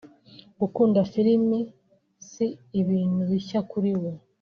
Gukunda filime si ibintu bishya kuri we